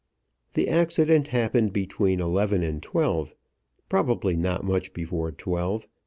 The accident happened between eleven and twelve, probably not much before twelve.